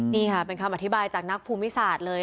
นี่ค่ะเป็นคำอธิบายจากนักภูมิศาสตร์เลย